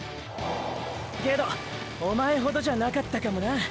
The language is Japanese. けどおまえほどじゃなかったかもな。